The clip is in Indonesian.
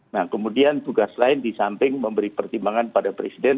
nah kemudian tugas lain di samping memberi pertimbangan pada presiden